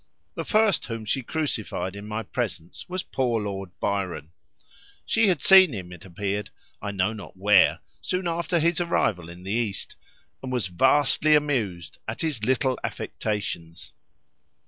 The first whom she crucified in my presence was poor Lord Byron. She had seen him, it appeared, I know not where, soon after his arrival in the East, and was vastly amused at his little affectations.